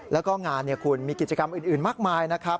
แล้วก็งานคุณมีกิจกรรมอื่นมากมายนะครับ